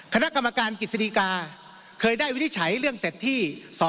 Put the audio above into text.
คณะกรรมการกิจสินิกาเคยได้วินิจฉัยเรื่องเสร็จที่๒๗๖๒๕๒๕